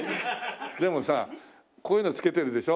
でもさこういうの着けてるでしょ。